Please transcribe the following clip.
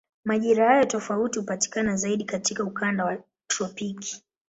Majira hayo tofauti hupatikana zaidi katika ukanda wa tropiki.